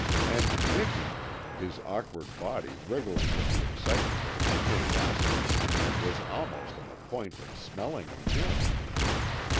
And Miki, his awkward body wriggling with the excitement of his curiosity, was almost on the point of smelling of him!